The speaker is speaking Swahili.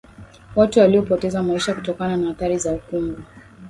watu waliopoteza maisha kutokana na athari za ukungu